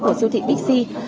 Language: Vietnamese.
của siêu thị bixi